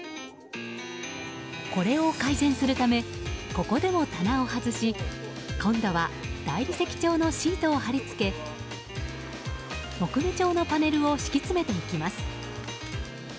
これを改善するためここでも棚を外し今度は大理石調のシートを貼り付け木目調のパネルを敷き詰めていきます。